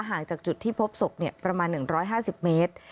ห่างจากจุดที่พบศพประมาณ๑๕๐เมตร